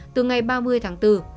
từ ngày ba mươi tháng bốn